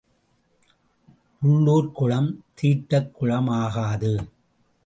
உள்ளூர்க் குளம் தீர்த்தக் குளம் ஆகாது.